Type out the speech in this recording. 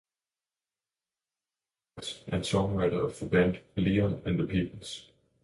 Robinson is the lead vocalist and songwriter of the band, Leon and the Peoples.